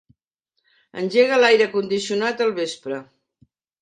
Engega l'aire condicionat al vespre.